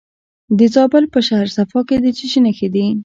د زابل په شهر صفا کې د څه شي نښې دي؟